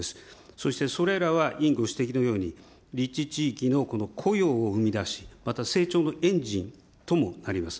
そして、それらは委員ご指摘のように、立地地域の雇用を生み出し、また成長のエンジンともなります。